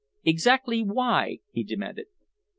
"Exactly why?" he demanded.